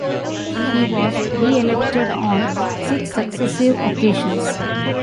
He was re-elected on six successive occasions.